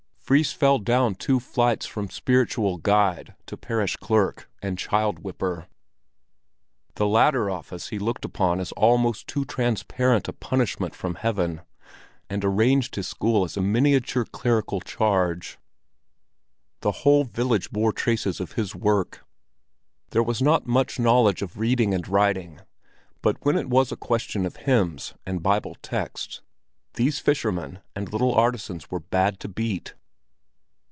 Fris fell down two flights from spiritual guide to parish clerk and child whipper. The latter office he looked upon as almost too transparent a punishment from Heaven, and arranged his school as a miniature clerical charge. The whole village bore traces of his work. There was not much knowledge of reading and writing, but when it was a question of hymns and Bible texts, these fishermen and little artisans were bad to beat.